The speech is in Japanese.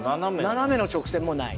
斜めの直線もない？